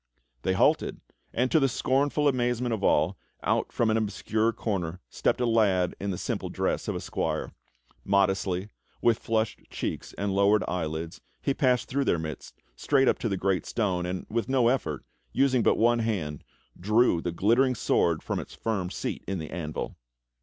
They halted, and to the scornful amazement of all, out from an obscure corner stepped a lad in the simple dress of a squire. Modestly, with flushed cheeks and lowered eyelids, he passed through their midst straight up to the great stone, and, with no effort, using but one hand, drew the glittering sword from its firm seat in the anvil!